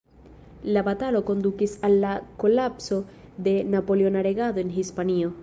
La batalo kondukis al la kolapso de napoleona regado en Hispanio.